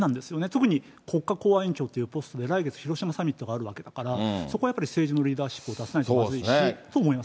特に国家公安委員長というポストで来月、広島サミットがあるわけだから、そこはやっぱり政治のリーダーシップを出さないとまずいしと、思います。